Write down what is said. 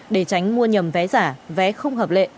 để tránh mua nhầm vé giả vé không hợp lệ